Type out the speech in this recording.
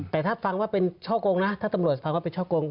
แต่ถ้าฟังว่าเป็นช่อกงนะถ้าตำรวจฟังว่าเป็นช่อกง